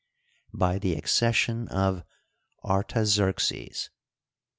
by the acces sion of Artaxerxes.